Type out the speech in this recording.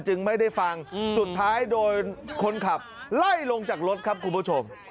จึงไม่ได้ฟังสุดท้ายโดยคนขับไล่ลงจากรถครับคุณผู้ชม